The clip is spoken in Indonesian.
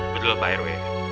betul pak rw